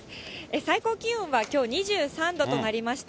最高気温はきょう２３度となりました。